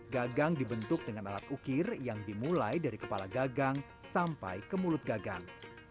gagang dibentuk dengan alat ukir yang dimulai dari kepala gagang sampai ke mulut gagang